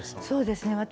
そうですね